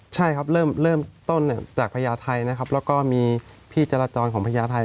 ใช่ครับเริ่มต้นจากพญาไทยนะครับแล้วก็มีพี่จราจรของพญาไทย